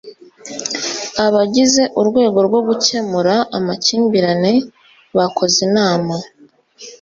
abagize urwego rwo gukemura amakimbirane bakozinama.